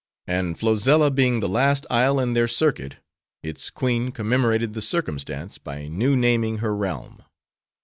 And Flozella being the last isle in their circuit, its queen commemorated the circumstance, by new naming her realm.